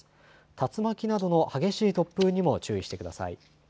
竜巻などの激しい突風にも注意してください。